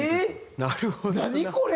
なるほどな。